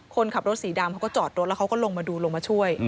คนขับรถสีดำเขาก็จอดรถแล้วเขาก็ลงมาดูลงมาช่วย